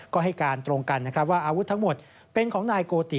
ก็ให้การตรงกันนะครับว่าอาวุธทั้งหมดเป็นของนายโกติ